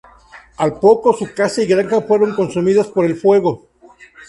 Al poco su casa y granja fueron consumidas por el fuego.